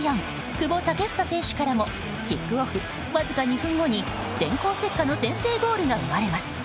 久保建英選手からもキックオフわずか２分後に電光石火の先制ゴールが生まれます。